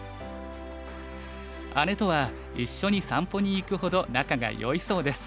姉とは一緒に散歩に行くほど仲がよいそうです。